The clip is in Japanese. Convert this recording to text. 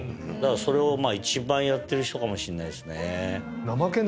それを一番やってる人かもしれないですね。